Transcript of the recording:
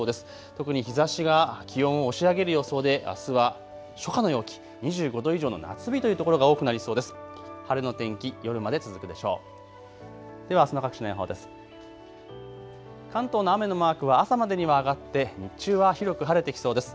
特に日ざしが気温を押し上げる予想であすは初夏の陽気、２５度以上の夏日というところが多くなりそうです。